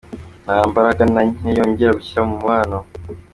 Nta mbaraga na nke yongera gushyira mu mubano.